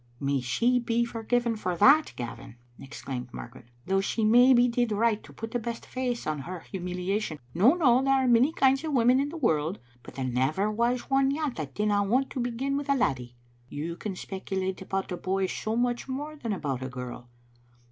"May she be forgiven for that, Gavin!" exclaimed Margaret ;" though she maybe did right to put the best face on her humiliation. No, no, there are many kinds of women in the world, but there never was one yet that didn't want to begin with a laddie. You can spec ulate about a boy so much more than about a girl.